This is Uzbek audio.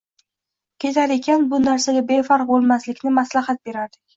ketar ekan, bu narsaga befarq boʻlmaslikni maslahat berardik.